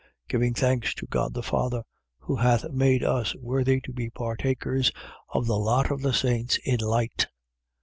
Giving thanks to God the Father, who hath made us worthy to be partakers of the lot of the saints in light: 1:13.